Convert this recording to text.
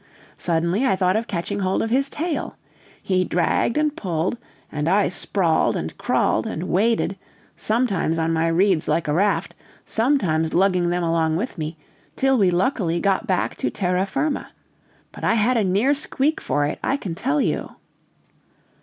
Suddenly I thought of catching hold of his tail. He dragged and pulled, and I sprawled, and crawled, and waded, sometimes on my reeds like a raft, sometimes lugging them along with me, till we luckily got back to terra firma. But I had a near squeak for it, I can tell you."